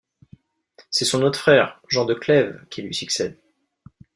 C'est son autre frère, Jean de Clèves qui lui succède.